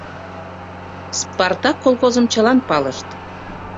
«Спартак» колхозым чылан палышт!